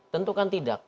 tentu kan tidak